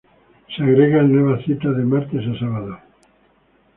Se agregan nuevas citas de martes a sábado.